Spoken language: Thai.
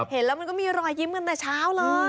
เห็นแล้วมันก็มีรอยยิ้มกันแต่เช้าเลย